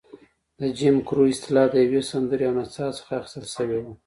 د جیم کرو اصطلاح د یوې سندرې او نڅا څخه اخیستل شوې وه.